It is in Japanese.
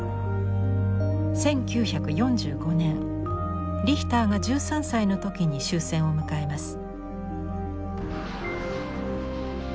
１９４５年リヒターが１３歳の時に終戦を迎えます。